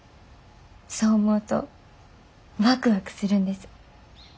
そう思うとワクワクするんです。